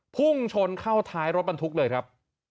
พุ่งชนเข้าท้ายรถบรรทุกเลยครับ